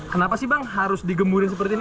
kenapa sih bang harus digemurin seperti ini